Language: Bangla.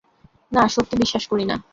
না, সত্যি বিশ্বাস করি না।